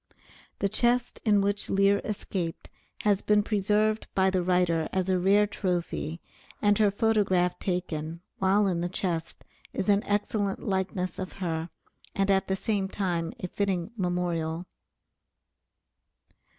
The chest in which Lear escaped has been preserved by the writer as a rare trophy, and her photograph taken, while in the chest, is an excellent likeness of her and, at the same time, a fitting memorial.